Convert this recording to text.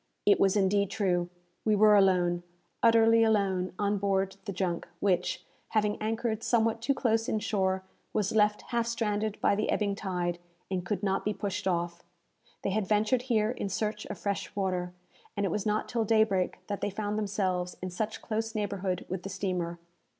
It was indeed true. We were alone, utterly alone, on board the junk, which, having anchored somewhat too close in shore, was left half stranded by the ebbing tide, and could not be pushed off. They had ventured here in search of fresh water, and it was not till daybreak that they found themselves in such close neighbourhood with the steamer.